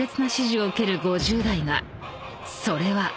［それは］